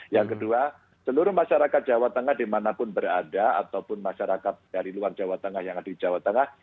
yang kedua seluruh masyarakat jawa tengah dimanapun berada ataupun masyarakat dari luar jawa tengah yang ada di jawa tengah